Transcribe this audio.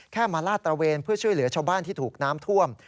มาลาดตระเวนเพื่อช่วยเหลือชาวบ้านที่ถูกน้ำท่วม